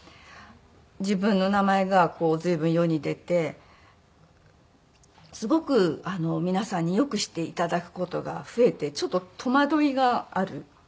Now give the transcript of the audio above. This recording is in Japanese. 自分の名前が随分世に出てすごく皆さんによくして頂く事が増えてちょっと戸惑いがある。